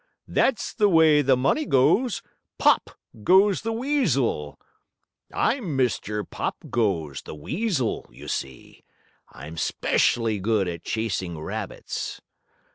That's the way the money goes, Pop! goes the weasel. I'm Mr. Pop Goes, the weasel, you see. I'm 'specially good at chasing rabbits."